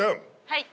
はい。